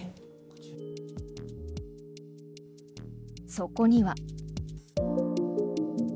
そこには。